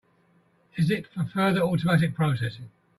Is it for further automatic processing?